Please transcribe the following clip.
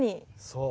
そう。